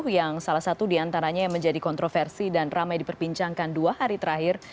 yang salah satu diantaranya yang menjadi kontroversi dan ramai diperbincangkan dua hari terakhir